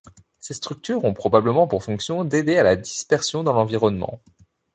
Ces structures ont probablement pour fonction d’aider à la dispersion dans l’environnement.